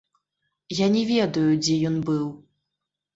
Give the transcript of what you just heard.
Я не ведаю, дзе ён быў.